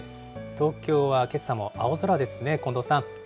東京はけさも青空ですね、近藤さん。